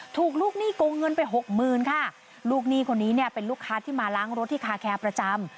ถูกลูกหนี้โกงเงินไปหกหมื่นค่ะลูกหนี้คนนี้เนี่ยเป็นลูกค้าที่มาล้างรถที่คาแคร์ประจำ